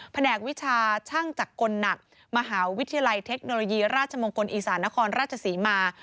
แหนกวิชาช่างจักรหนักมหาวิทยาลัยเทคโนโลยีราชมงคลอีสานนครราชศรีมา